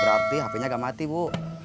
berarti hpnya gak mati bu